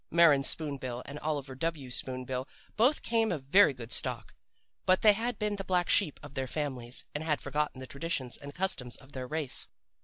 Maren Spoon bill and Oliver W. Spoon bill both came of very good stock, but they had been the black sheep of their families and had forgotten the traditions and customs of their race.